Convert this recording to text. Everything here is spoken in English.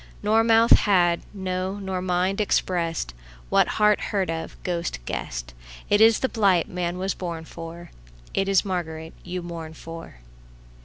Nor mouth had, no nor mind, expressedWhat heart heard of, ghost guessed:It ís the blight man was born for, It is Margaret you mourn for.